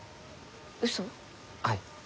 はい。